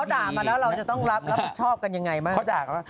เขาด่ามาแล้วเราจะต้องรับรับผู้ชอบกันอย่างไรไหม